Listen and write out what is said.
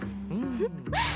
フッ。